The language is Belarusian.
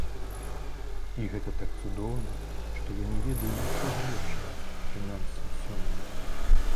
І гэта так цудоўна, што я не ведаю нічога лепшага, прынамсі, сёння.